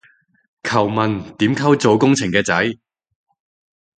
求問點溝做工程嘅仔